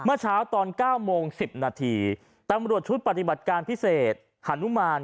เมื่อเช้าตอน๙โมง๑๐นาทีตำรวจชุดปฏิบัติการพิเศษหานุมาน